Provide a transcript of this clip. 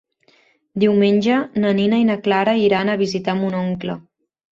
Diumenge na Nina i na Clara iran a visitar mon oncle.